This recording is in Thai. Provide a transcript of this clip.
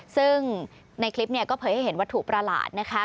ซึ่งในคลิปก็เผยให้เห็นวัตถุประหลาดนะคะ